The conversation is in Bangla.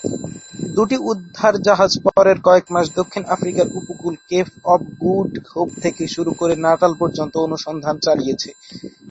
দুটি উদ্ধার জাহাজ পরের কয়েক মাস দক্ষিণ আফ্রিকার উপকূলের কেপ অফ গুড হোপ থেকে শুরু করে নাটাল পর্যন্ত অনুসন্ধান চালিয়েছে।